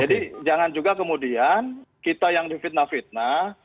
jadi jangan juga kemudian kita yang di fitnah fitnah